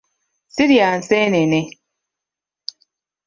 Sirya nseenene.